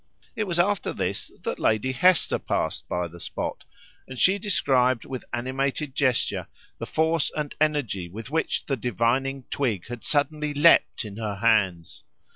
It was after this that Lady Hester passed by the spot, and she described with animated gesture the force and energy with which the divining twig had suddenly leaped in her hands.